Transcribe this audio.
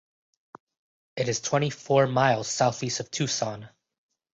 Its is twenty-four miles southeast of Tucson.